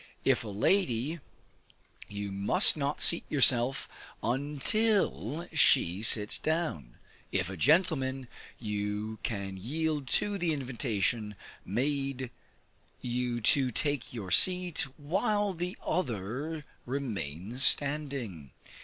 If a lady, you must not seat yourself until she sits down; if a gentleman, you can yield to the invitation made you to take your seat, while the other remains standing.